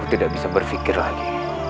tidak bisa berpikir lagi